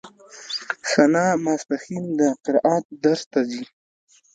ثنا ماسپښين د قرائت درس ته ځي.